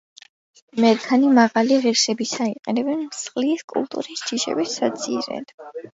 მერქანი მაღალი ღირსებისაა, იყენებენ მსხლის კულტურის ჯიშების საძირედ.